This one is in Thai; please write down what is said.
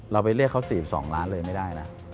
เราไปเรียกเขา๔๒ล้านเลยไม่ได้แล้ว